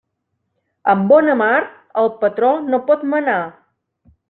Amb bona mar, el patró no pot manar.